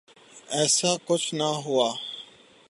ایسا کچھ نہ ہوا۔